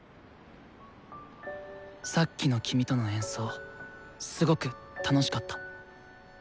さっきの君との演奏すごく楽しかった。